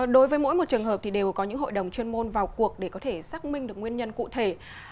đối với mỗi một trường hợp thì đều có những hội đồng chuyên môn vào cuộc để có thể xác minh được nguyên nhân cụ thể